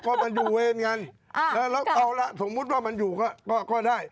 ก็มันอยู่เวรกันแล้วเอาละสมมุติว่ามันอยู่ก็ได้